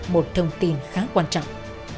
một thông tin khá quan trọng